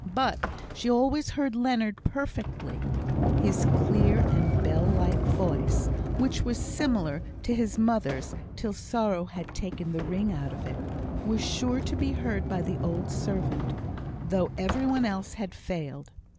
But she always heard Leonard perfectly. His clear and bell like voice, which was similar to his mother's, till sorrow had taken the ring out of it, was sure to be heard by the old servant, though every one else had failed.